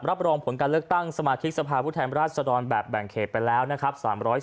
รับรองผลการเลือกตั้งสมาธิกสภาพผู้แทนราชดรแบบแบ่งเขตไปแล้วนะครับ